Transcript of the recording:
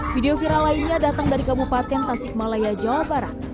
video viral lainnya datang dari kabupaten tasikmalaya jawa barat